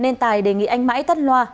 nên tài đề nghị anh mãi tắt loa